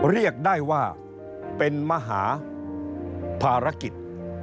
เรียกได้ว่าเป็นมหาภารกิจ